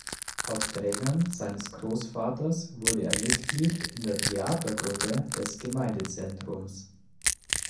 Auf Drängen seines Großvaters wurde er Mitglied in der Theater-Gruppe des Gemeindezentrums.